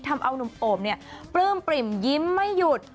ทำเอานุ่มโอมเนี่ยปลื้มปริ่มยิ้มไม่หยุด